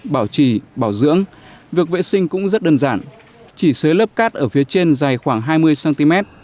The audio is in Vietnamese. bảo trì bảo dưỡng việc vệ sinh cũng rất đơn giản chỉ xới lớp cát ở phía trên dài khoảng hai mươi cm